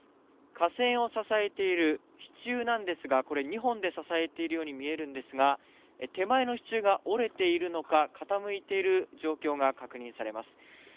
架線を支えている支柱なんですが、２本で支えているように見えるんですが、手前の支柱が折れているのか、傾いている状況が確認されます。